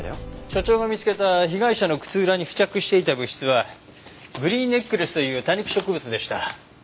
所長が見つけた被害者の靴裏に付着していた物質はグリーンネックレスという多肉植物でした。